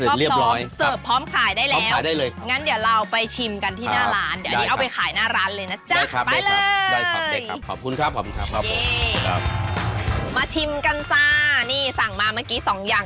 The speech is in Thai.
เย่มาชิมกันจ้านี่สั่งมาเมื่อกี้๒อย่าง